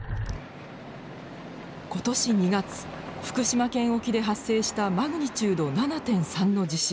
今年２月福島県沖で発生したマグニチュード７．３の地震。